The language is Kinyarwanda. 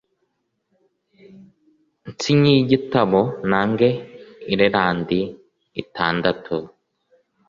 Nsinyiye igitabo, ntange Irilande itandatu,